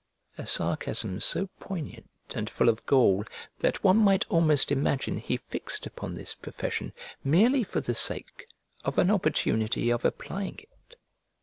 A sarcasm so poignant and full of gall that one might almost imagine he fixed upon this profession merely for the sake of an opportunity of applying it.